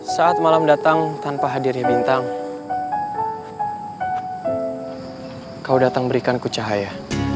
saat malam datang tanpa hadirnya bintang kau datang berikanku cahaya